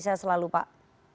saya selalu pak